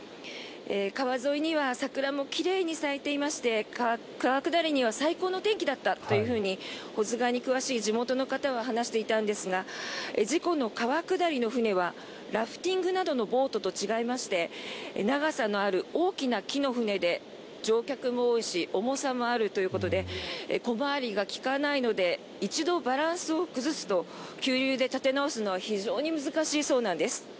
川沿いには桜も奇麗に咲いていまして川下りには最高の天気だったというふうに保津川に詳しい地元の方は話していたんですが事故の川下りの船はラフティングなどのボートと違いまして長さのある大きな木の船で乗客も多いし重さもあるということで小回りが利かないので一度バランスを崩すと急流で立て直すのは非常に難しいそうなんです。